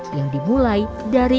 yang dimulai dari